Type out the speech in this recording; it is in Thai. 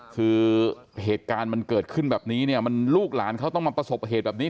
คือเหตุการณ์มันเกิดขึ้นแบบนี้เนี่ยมันลูกหลานเขาต้องมาประสบเหตุแบบนี้